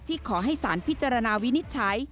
ขอให้สารพิจารณาวินิจฉัย